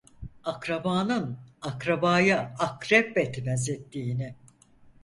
Akrabanın akrabaya akrep etmez ettiğini.